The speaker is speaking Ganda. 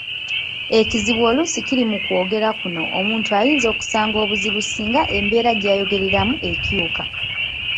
Ekizibu oluusi ekiri mu kwogera kuno omuntu ayinza okusanga obuzibu singa embeera gy’ayogereramu ekyuka.